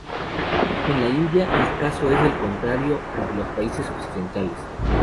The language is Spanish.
En la India, el caso es el contrario al de los países occidentales.